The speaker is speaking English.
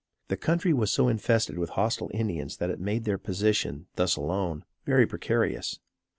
The country was so infested with hostile Indians that it made their position, thus alone, very precarious.